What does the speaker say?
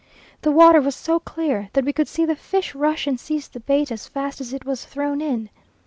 The water was so clear, that we could see the fish rush and seize the bait as fast as it was thrown in.